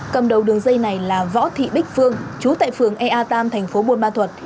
cầm đầu đường dây này là võ thị bích phương chú tại phường ea tam thành phố buôn ma thuật